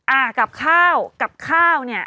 อ่ากับข้าวกับข้าวเนี่ย